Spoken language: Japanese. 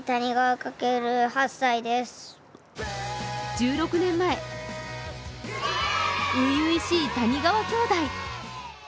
１６年前、初々しい谷川兄弟。